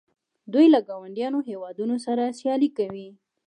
دوی له ګاونډیو هیوادونو سره سیالي کوي.